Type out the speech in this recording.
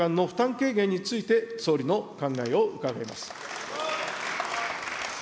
軽減について、総理の考えを伺います。